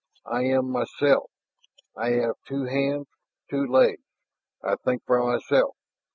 "I am myself. I have two hands, two legs.... I think for myself!